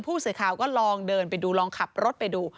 ผู้สื่อข่าวก็ลองเดินไปดูลองขับรถไปดู